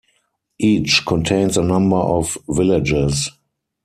Each contains a number of villages.